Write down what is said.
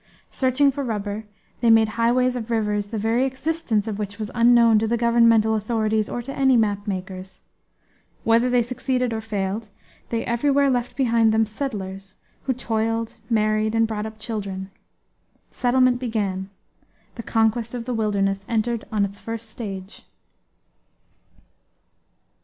Searching for rubber they made highways of rivers the very existence of which was unknown to the governmental authorities, or to any map makers. Whether they succeeded or failed, they everywhere left behind them settlers, who toiled, married, and brought up children. Settlement began; the conquest of the wilderness entered on its first stage.